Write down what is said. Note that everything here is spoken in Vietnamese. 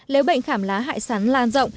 nếu bệnh khảm lá hại sắn lan rộng